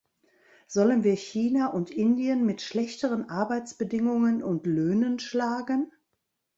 Sollen wir China und Indien mit schlechteren Arbeitsbedingungen und Löhnen schlagen?